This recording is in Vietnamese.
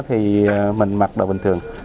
thì mình mặc đồ bình thường